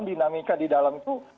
mingkak di dalam itu